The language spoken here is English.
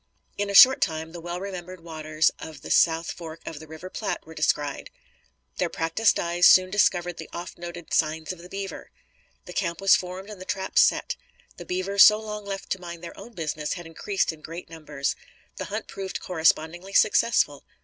In a short time the well remembered waters of the South Fork of the River Platte were descried. Their practised eyes soon discovered the oft noted "signs of the beaver." The camp was formed and the traps set. The beaver, so long left to mind their own business, had increased in great numbers. The hunt proved correspondingly successful.